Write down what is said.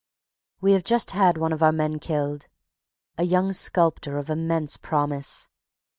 _ We have just had one of our men killed, a young sculptor of immense promise.